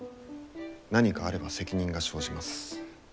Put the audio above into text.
何かあれば、責任が生じます。